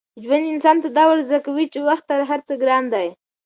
ژوند انسان ته دا ور زده کوي چي وخت تر هر څه ګران دی.